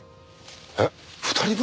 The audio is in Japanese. えっ２人分？